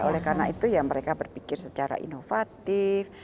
oleh karena itu ya mereka berpikir secara inovatif